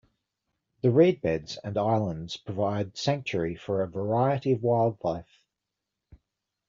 The reed beds and islands provide sanctuary for a variety of wildlife.